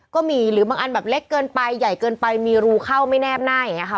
หรือบางอันแบบเล็กเกินไปใหญ่เกินไปมีรูเข้าไม่แนบหน้าอย่างนี้ค่ะ